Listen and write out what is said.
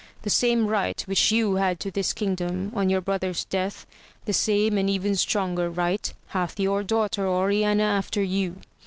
The same right which you had to this kingdom on your brother's death, the same and even stronger right hath your daughter Oriana after you.